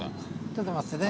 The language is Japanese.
ちょっと待っててね。